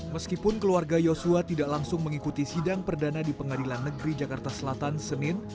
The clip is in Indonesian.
meskipun keluarga yosua tidak langsung mengikuti sidang perdana di pengadilan negeri jakarta selatan senin